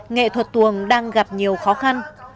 nghệ thuật tuồng đang gặp nhiều khó khăn